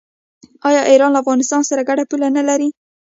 آیا ایران له افغانستان سره ګډه پوله نلري؟